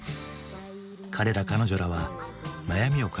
彼ら彼女らは悩みを抱えてはいない。